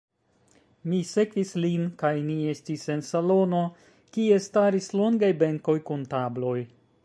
Mi sekvis lin kaj ni estis en salono, kie staris longaj benkoj kun tabloj.